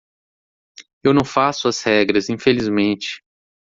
Eu não faço as regras infelizmente.